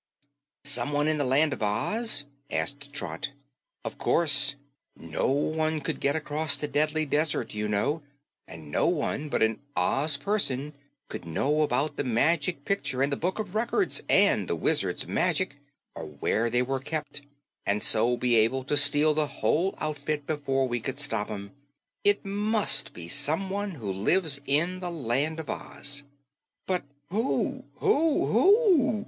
"Someone in the Land of Oz?" asked Trot. "Of course. No one could get across the Deadly Desert, you know, and no one but an Oz person could know about the Magic Picture and the Book of Records and the Wizard's magic or where they were kept, and so be able to steal the whole outfit before we could stop 'em. It MUST be someone who lives in the Land of Oz." "But who who who?"